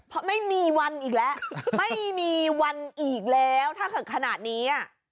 เพราะไม่มีวันอีกแล้วไม่มีวันอีกแล้วถ้าเกิดขนาดนี้อ่ะ